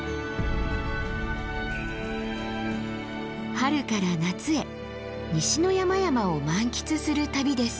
春から夏へ西の山々を満喫する旅です。